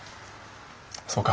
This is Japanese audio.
そうか。